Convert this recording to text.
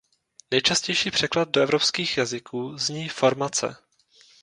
Nejčastější překlad do evropských jazyků zní "formace".